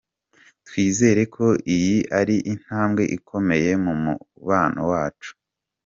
Twizera ko iyi ari intambwe ikomeye mu mubano wacu.